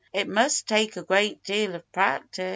It must take a great deal of practice."